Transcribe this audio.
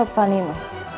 itu gak benar bibi eve